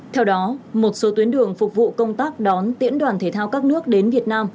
theo đó một số tuyến đường phục vụ công tác đón tiễn đoàn thể thao các nước đến việt nam